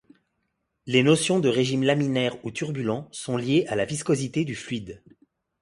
Les notions de régime laminaire ou turbulent sont liées à la viscosité du fluide.